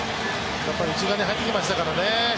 やっぱり内側に入ってきましたからね。